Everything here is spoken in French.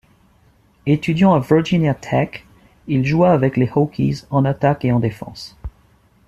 Étudiant à Virginia Tech, il joua avec les Hokies en attaque et en défense.